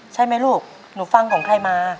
ใช่ไหมลูกหนูฟังของใครมา